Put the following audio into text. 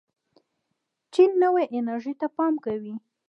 چین نوې انرژۍ ته پام کوي.